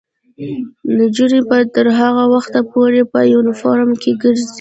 نجونې به تر هغه وخته پورې په یونیفورم کې ګرځي.